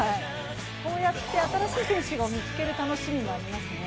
こうやって新しい選手を見つける楽しみもありますね。